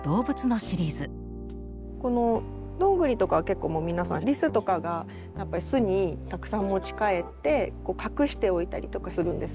このどんぐりとかは結構もう皆さんリスとかが巣にたくさん持ち帰って隠しておいたりとかするんですけど。